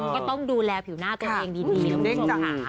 ก็ต้องดูแลผิวหน้าตัวเองดีแล้วมีผิวสมขา